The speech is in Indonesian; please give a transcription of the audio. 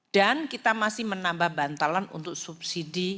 dan kita masih menambah bantalan untuk subsidi